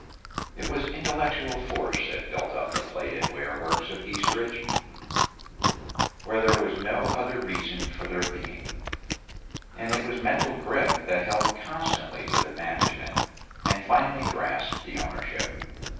It was intellectual force that built up the Plated Ware Works of Eastridge, where there was no other reason for their being, and it was mental grip that held constantly to the management, and finally grasped the ownership.